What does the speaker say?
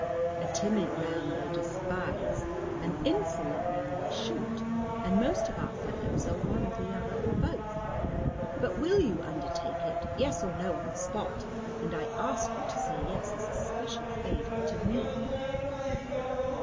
A timid man they despise, an insolent man they shoot; and most of our fellows are one or the other, or both. But will you undertake it? Yes, or no, on the spot. And I ask you to say 'yes' as a special favour to me."